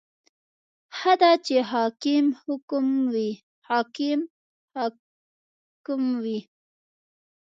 • ښه ده چې حاکم حاکم وي.